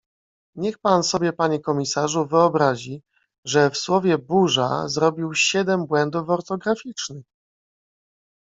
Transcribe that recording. Niech pan sobie panie komisarzu wyobrazi, że w słowie burza zrobił siedem błędów ortograficznych.